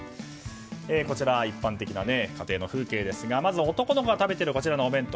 こちら一般的な家庭の風景ですがまず男の子が食べているこちらのお弁当。